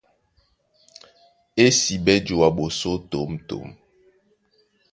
Ésiɓɛ́ joa ɓosó tǒmtǒm.